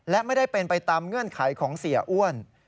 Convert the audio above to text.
และไม่ได้เป็นไปตามเงื่อนไขของเสียอ้วน